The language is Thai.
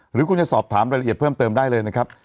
หรือคุณจะสอบถามรายละเอียดเพิ่มเติมได้เลยนะครับ